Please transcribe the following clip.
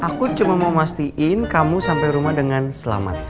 aku cuma mau mastiin kamu sampai rumah dengan selamat